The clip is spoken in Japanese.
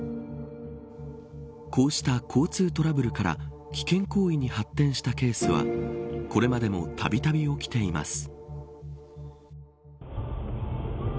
こうした交通トラブルから危険行為に発展したケースはこれまでもたびたび起きています。